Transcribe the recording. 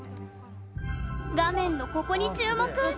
画面のココに注目。